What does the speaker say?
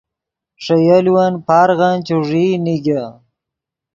ݰے یولون پارغن چوݱیئی نیگے